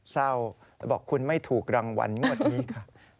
เศร้าบอกคุณไม่ถูกรางวัลงวดนี้ค่ะ